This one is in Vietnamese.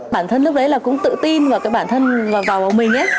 bản thân lúc đấy là cũng tự tin vào cái bản thân và vào vào mình ấy